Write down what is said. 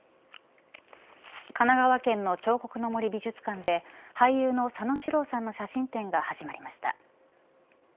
神奈川県の彫刻の森美術館で俳優の佐野史郎さんの写真展が始まりました。